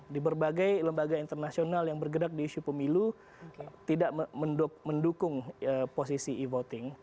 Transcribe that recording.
di berbagai lembaga internasional yang bergerak di isu pemilu tidak mendukung posisi e voting